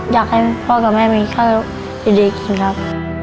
อยากให้พ่อกับแม่มีข้าวดีกินครับ